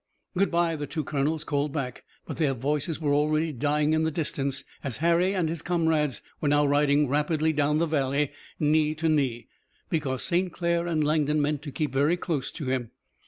"Good by!" the two colonels called back, but their voices were already dying in the distance as Harry and his comrades were now riding rapidly down the valley, knee to knee, because St. Clair and Langdon meant to keep very close to him.